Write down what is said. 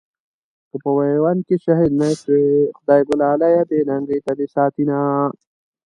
که په ميوند کې شهيد نه شوې، خدایږو لاليه بې ننګۍ ته دې ساتينه